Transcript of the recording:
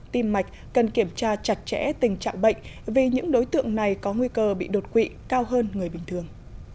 tim mạch cần kiểm tra chặt chẽ tình trạng bệnh vì những đối tượng này có nguy cơ bị đột quỵ cao hơn người bình thường